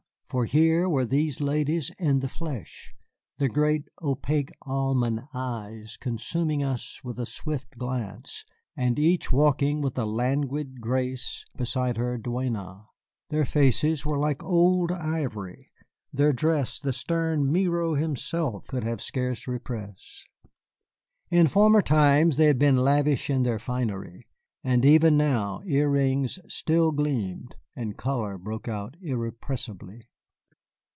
For here were these ladies in the flesh, their great, opaque, almond eyes consuming us with a swift glance, and each walking with a languid grace beside her duenna. Their faces were like old ivory, their dress the stern Miro himself could scarce repress. In former times they had been lavish in their finery, and even now earrings still gleamed and color broke out irrepressibly.